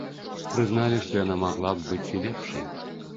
Прызналі, што яна магла б быць і лепшай.